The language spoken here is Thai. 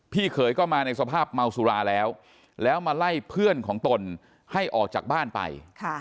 เขยก็มาในสภาพเมาสุราแล้วแล้วมาไล่เพื่อนของตนให้ออกจากบ้านไป